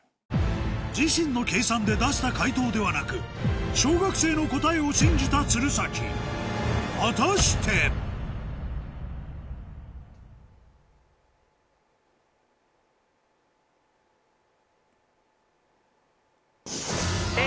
自身の計算で出した解答ではなく小学生の答えを信じた鶴崎果たして⁉え！